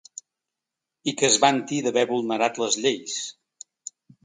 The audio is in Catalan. I que es vanti d’haver vulnerat les lleis.